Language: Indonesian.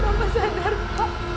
bapak sadar pak